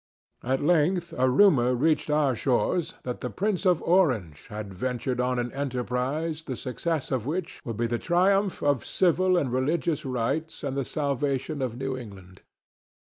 At length a rumor reached our shores that the prince of Orange had ventured on an enterprise the success of which would be the triumph of civil and religious rights and the salvation of New England.